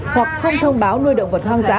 hoặc không thông báo nuôi động vật hoang dã